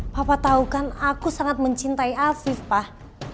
papa tau kan aku sangat mencintai afif pak